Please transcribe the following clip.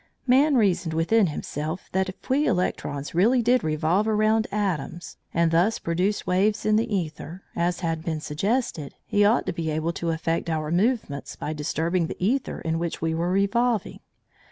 Man reasoned within himself that if we electrons really did revolve around atoms and thus produce waves in the æther, as had been suggested, he ought to be able to affect our movements by disturbing the æther in which we were revolving.